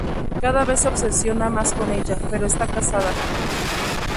Cada vez se obsesiona más con ella, pero está casada...